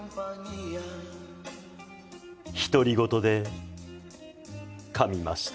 独り言でかみました。